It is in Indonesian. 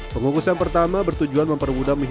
pengukusan pertama bertujuan mempermudah pembakaran